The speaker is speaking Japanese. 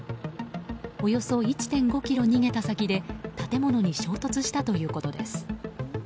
およそ１．５ｋｍ逃げた先で建物に衝突したということです。